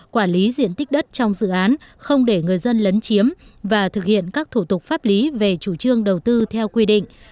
quản lý diện tích đất trong dự án không để người dân lấn chiếm và thực hiện các thủ tục pháp lý về chủ trương đầu tư theo quy định